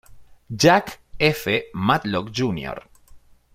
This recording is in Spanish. Jack F. Matlock Jr.